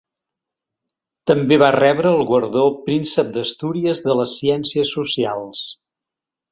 També va rebre el guardó Príncep d'Astúries de les Ciències Socials.